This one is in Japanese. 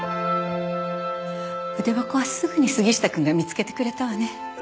筆箱はすぐに杉下くんが見つけてくれたわね。